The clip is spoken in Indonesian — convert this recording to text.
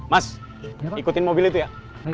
mas ikutin mobil itu ya